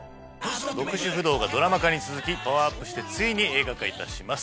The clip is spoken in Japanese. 『極主夫道』がドラマ化に続きパワーアップしてついに映画化いたします。